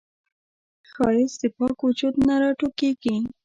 ښایست د پاک وجود نه راټوکېږي